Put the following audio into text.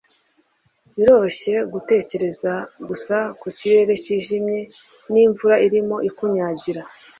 biroroshye gutekereza gusa ku kirere cyijimye n’imvura irimo ikunyagira